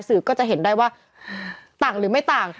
ก็จะเห็นได้ว่าต่างหรือไม่ต่าง